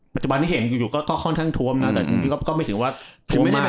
ปัจจุบันนี้เห็นอยู่ก็ค่อนข้างท้วมนะแต่ก็ไม่ถึงว่าท้วมมาก